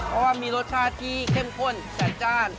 เพราะว่ามีรสชาติที่เข้มข้นจัดจ้าน